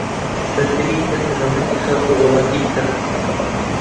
بەرگری لە کەرامەتی خاک و وڵاتی بکات